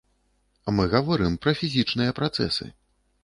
Мы гаворым пра фізічныя працэсы.